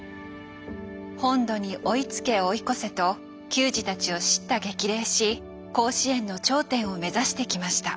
本土に追いつけ追い越せと球児たちを叱咤激励し甲子園の頂点を目指してきました。